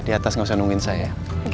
di atas nggak usah nungguin saya